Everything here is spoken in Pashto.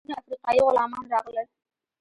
میلیونونه افریقایي غلامان راغلل.